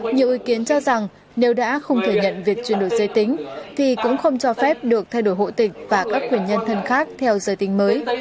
nhiều ý kiến cho rằng nếu đã không thể nhận việc chuyển đổi giới tính thì cũng không cho phép được thay đổi hộ tịch và các quyền nhân thân khác theo giới tính mới